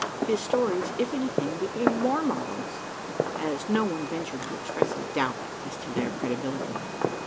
His stories, if anything, became more marvellous, as no one ventured to express a doubt as to their credibility.